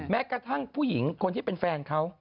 แม้กระทั่งผู้หญิงคนที่เป็นแฟนเขา